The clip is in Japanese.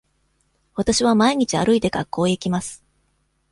わたしは毎日歩いて学校へ行きます。